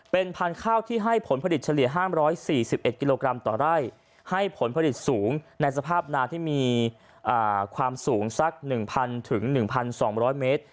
เป็นพันธุ์ข้าวที่ให้ผลผลิตเฉลี่ย๕๔๑กิโลกรัมต่อไร่ให้ผลผลิตสูงในสภาพนาที่มีความสูงสัก๑๐๐๑๒๐๐เมตร